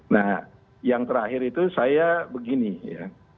nah yang terakhir itu saya begini ya